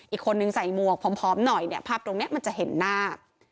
อีกคนนึงใส่หมวกผอมหน่อยเนี่ยภาพตรงนี้มันจะเห็นหน้า